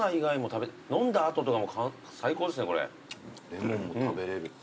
レモンも食べれるって。